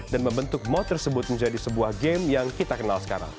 dan membentuk mode tersebut menjadi sebuah game yang kita kenal sekarang